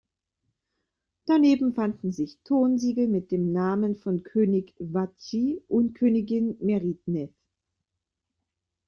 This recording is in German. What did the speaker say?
Daneben fanden sich Tonsiegel mit den Namen von König Wadji und Königin Meritneith.